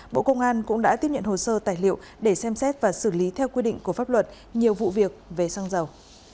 bộ công an cũng đã tiếp nhận hồ sơ tài liệu để xem xét và xử lý theo quy định của pháp luật nhiều vụ việc về xăng dầu